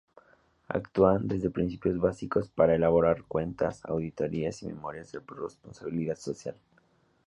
Actúan de principios básicos para elaborar cuentas, auditorías y memorias de responsabilidad social.